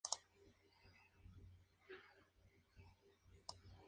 Su sede social se encuentra en Dallas.